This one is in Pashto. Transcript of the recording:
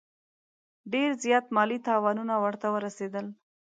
ډېر زیات مالي تاوانونه ورته ورسېدل.